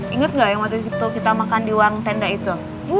ingat nggak yang waktu itu kita makan di ruang tenda itu